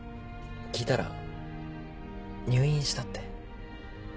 聞いたら入院したって。